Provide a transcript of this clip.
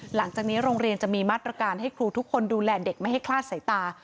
หลังจากนี้โรงเรียนจะมีมาตรการให้ครูทุกคนดูแลเด็กไม่ให้คลาดสายตา